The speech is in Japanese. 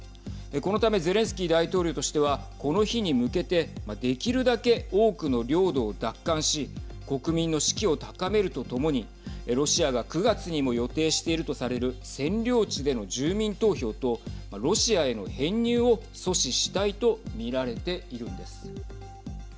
このためゼレンスキー大統領としてはこの日に向けてできるだけ多くの領土を奪還し国民の士気を高めるとともにロシアが９月にも予定しているとされる占領地での住民投票とロシアへの編入を阻止したいと見られているんです。